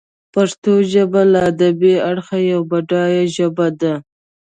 پښتو ژبه له ادبي اړخه یوه بډایه ژبه ده.